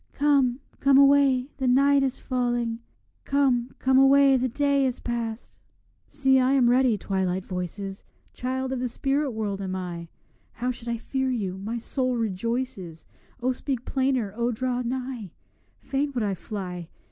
Come, come away, the night is falling; 'Come, come away, the day is past.' See, I am ready, Twilight voices! Child of the spirit world am I; How should I fear you? my soul rejoices, O speak plainer! O draw nigh! Fain would I fly!